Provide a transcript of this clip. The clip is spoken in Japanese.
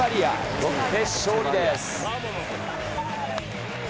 ロッテ勝利です。